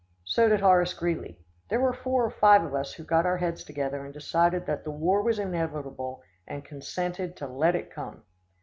So did Horace Greeley. There were four or five of us who got our heads together and decided that the war was inevitable, and consented to let it come.